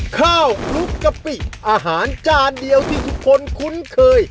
คลุกกะปิอาหารจานเดียวที่ทุกคนคุ้นเคย